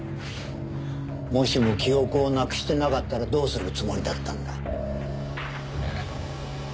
もしも記憶をなくしてなかったらどうするつもりだったんだ？え？